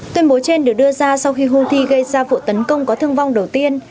tuyên bố trên được đưa ra sau khi houthi gây ra vụ tấn công có thương vong đầu tiên